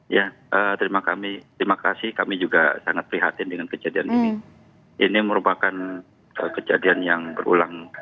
ya terima kasih terima kasih kami juga sangat prihatin dengan kejadian ini ini merupakan kejadian yang berulang